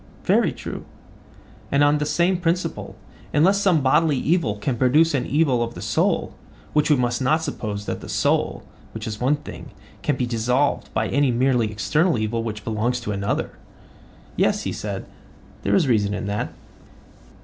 Very true. And, on the same principle, unless some bodily evil can produce an evil of the soul, we must not suppose that the soul, which is one thing, can be dissolved by any merely external evil which belongs to another? Yes, he said, there is reason in that.